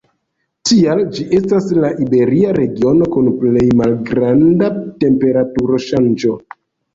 Tial, ĝi estas la iberia regiono kun plej malgranda temperaturo-ŝanĝo.